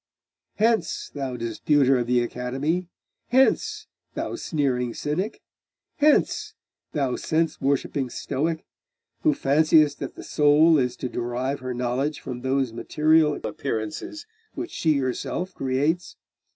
Hence, thou disputer of the Academy! hence, thou sneering Cynic! hence, thou sense worshipping Stoic, who fanciest that the soul is to derive her knowledge from those material appearances which she herself creates!....